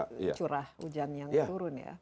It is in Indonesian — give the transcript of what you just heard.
karena curah hujan yang turun ya